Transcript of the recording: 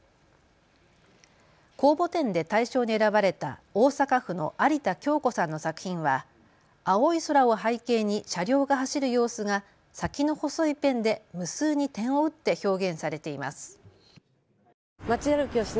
公募展で大賞に選ばれた大阪府の有田京子さんの作品は青い空を背景に車両が走る様子が先の細いペンで無数に点を打って表現されています。